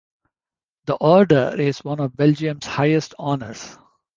The Order is one of Belgium's highest honors.